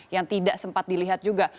yang tidak sempat dilihat juga